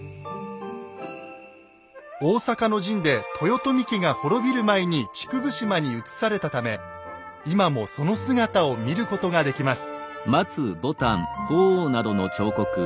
大坂の陣で豊臣家が滅びる前に竹生島に移されたため今もその姿を見ることができます。